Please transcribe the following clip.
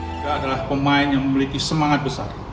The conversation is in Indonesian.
juga adalah pemain yang memiliki semangat besar